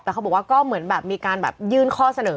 แต่เขาบอกว่าก็เหมือนแบบมีการแบบยื่นข้อเสนอ